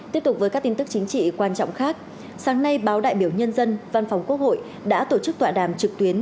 tiếp tục với các tin tức chính trị quan trọng khác sáng nay báo đại biểu nhân dân văn phòng quốc hội đã tổ chức tọa đàm trực tuyến